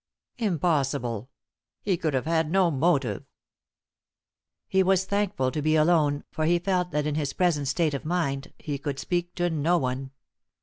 Impossible! He could have had no motive." He was thankful to be alone, for he felt that in his present state of mind he could speak to no one.